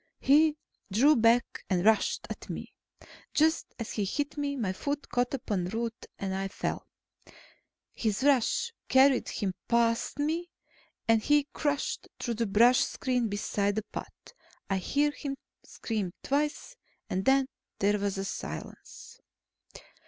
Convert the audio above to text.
He drew back and rushed at me. Just as he hit me, my foot caught upon a root, and I fell. His rush carried him past me, and he crashed through the brush screen beside the path. I heard him scream twice, then there was silence.